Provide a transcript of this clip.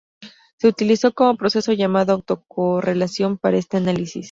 Se utilizó un proceso llamado autocorrelación para este análisis.